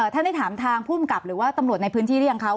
ได้ถามทางภูมิกับหรือว่าตำรวจในพื้นที่หรือยังคะ